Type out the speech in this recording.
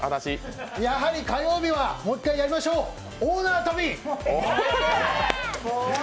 やはり火曜日はもう一回やりましょう、大縄跳び！